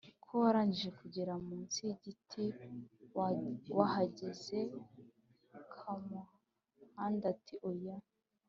ko warangije kugera munsi y’igiti. Wahageze?” Kamuhanda ati: “Oya